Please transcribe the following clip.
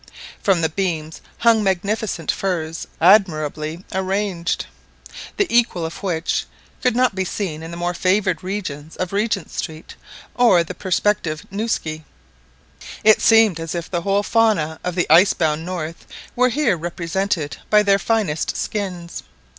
From the beams hung magnificent furs admirably arranged, the equal of which could not be seen in the more favoured regions of Regent Street or the Perspective Newski. It seemed as if the whole fauna of the ice bound North were here represented by their finest skins.